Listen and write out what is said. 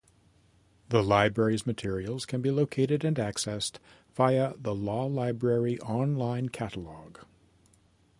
The Library's materials can be located and accessed via the law library online catalog.